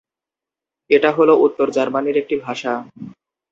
এটা হল উত্তর জার্মানীর একটি ভাষা।